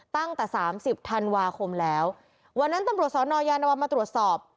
ตั้งแต่สามสิบธันวาคมแล้ววันนั้นตำรวจสอนอยานวัลมาตรวจสอบ